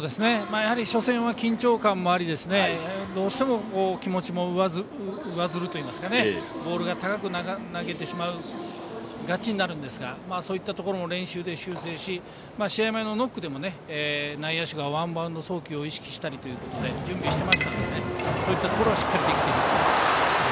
初戦は緊張感もありどうしても気持ちも上ずるといいますかボールを高く投げてしまいがちになるんですがそういったところを練習で修正し試合前のノックでも内野手がワンバウンド送球を意識したりということで準備してましたのでそういったところはしっかりできてますね。